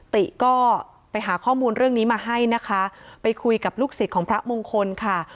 ติก็ไปหาข้อมูลเรื่องนี้มาให้นะคะไปคุยกับลูกศิษย์ของพระมงคลค่ะ